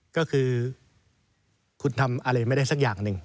ก็คือคุณทำอะไรไม่ได้สักอย่างหนึ่ง